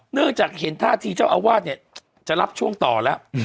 เนื่องจากเห็นท่าทีเจ้าอาวาสเนี่ยจะรับช่วงต่อแล้ว